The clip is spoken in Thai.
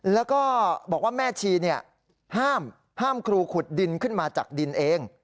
แล้วก็บอกว่าแม่ชีห้ามครูขุดดินขึ้นมาจากดินเอง